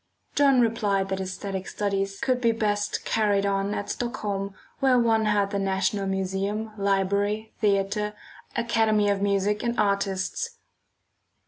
John replied that æsthetic studies could be best carried on at Stockholm where one had the National Museum, Library, Theatre, Academy of Music and Artists.